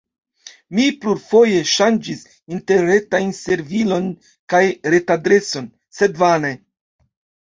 Mi plurfoje ŝanĝis interretajn servilon kaj retadreson, sed vane.